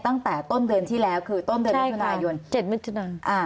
ตั้งแต่ต้นเดินที่แล้วคือต้นเดินเมื่อธุนายน๗เมื่อธุนายน